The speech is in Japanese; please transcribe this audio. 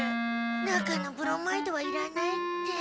中のブロマイドはいらないって。